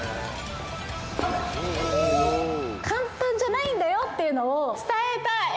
簡単じゃないんだよっていうのを、伝えたい。